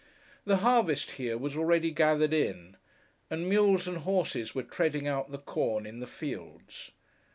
The harvest here was already gathered in, and mules and horses were treading out the corn in the fields.